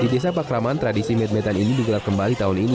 di desa pakraman tradisi medmetan ini digelar kembali tahun ini